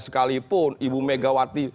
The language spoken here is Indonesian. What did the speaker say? sekalipun ibu megawati